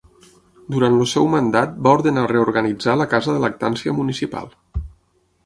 Durant el seu mandat va ordenar reorganitzar la Casa de Lactància Municipal.